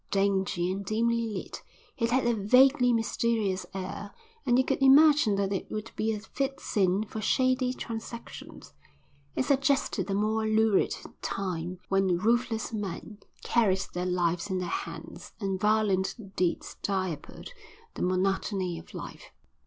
Dingy and dimly lit, it had a vaguely mysterious air and you could imagine that it would be a fit scene for shady transactions. It suggested a more lurid time, when ruthless men carried their lives in their hands, and violent deeds diapered the monotony of life.